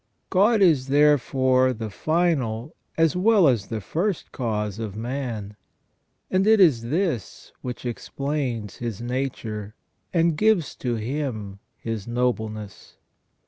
God is therefore the final as well as the first cause of man, and it is this which explains his nature, and gives to him his nobleness.